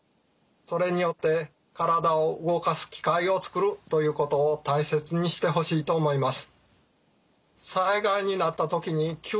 それによって体を動かす機会を作るということを大切にしてほしいと思います。